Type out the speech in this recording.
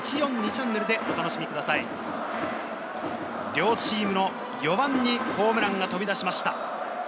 両チームの４番にホームランが飛び出しました。